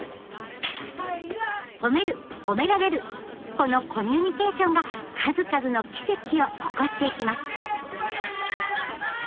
このコミュニケーションが数々の奇跡を起こしていきます！